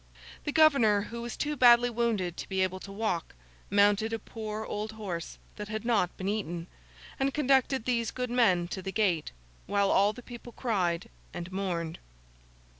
The Governor, who was too badly wounded to be able to walk, mounted a poor old horse that had not been eaten, and conducted these good men to the gate, while all the people cried and mourned.